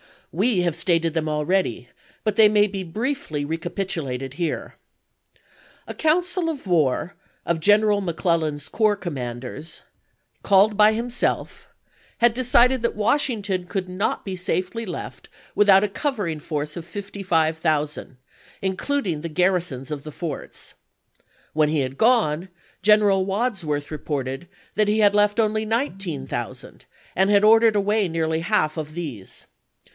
We have stated them already, but they may be briefly recapitulated here. A council of war of General McClellan's corps commanders, 362 ABRAHAM LINCOLN Chap. XX. Called by himself, had decided that Washington could not be safely left without a covering force of 55,000, including the garrisons of the forts. When 1862. he had gone, Greneral Wadsworth reported that he had left only nineteen thousand, and had ordered away nearly half of these.